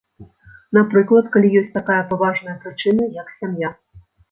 Напрыклад, калі ёсць такая паважная прычына, як сям'я.